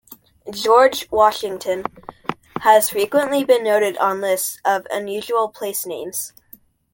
George, Washington has frequently been noted on lists of unusual place names.